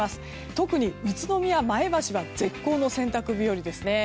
特に宇都宮、前橋は絶好の洗濯日和ですね。